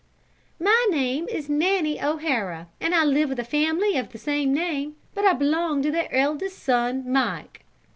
"My name is Nanny O'Hara and I live with a family of the same name but I belong to their eldest son, Mike."